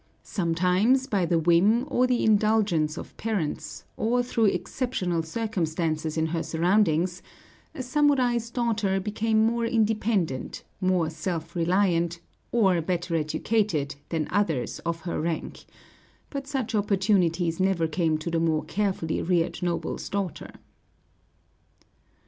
Sometimes, by the whim or the indulgence of parents, or through exceptional circumstances in her surroundings, a samurai's daughter became more independent, more self reliant, or better educated, than others of her rank; but such opportunities never came to the more carefully reared noble's daughter.